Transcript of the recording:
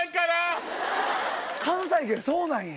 関西圏そうなんや。